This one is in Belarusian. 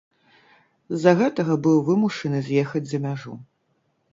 З за гэтага быў вымушаны з'ехаць за мяжу.